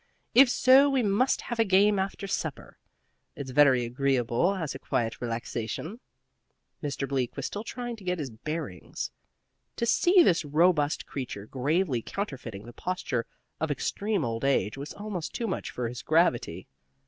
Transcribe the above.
"If so, we must have a game after supper. It's very agreeable as a quiet relaxation." Mr. Bleak was still trying to get his bearings. To see this robust creature gravely counterfeiting the posture of extreme old age was almost too much for his gravity.